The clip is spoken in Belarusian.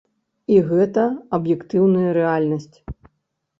І гэта аб'ектыўная рэальнасць.